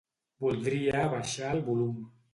Voldria abaixar el volum.